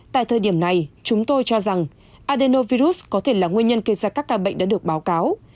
tại thời điểm này chúng tôi cho rằng adenovirus có thể là nguyên nhân gây ra các ca bệnh đã được báo cáo